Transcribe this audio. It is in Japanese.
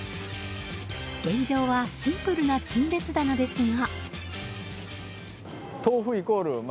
現状はシンプルな陳列棚ですが。